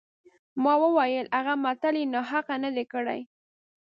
ما وویل هغه متل یې ناحقه نه دی کړی.